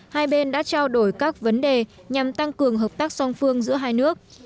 hai bên đã trao đổi các vấn đề nhằm tăng cường hợp tác song phương giữa hai nước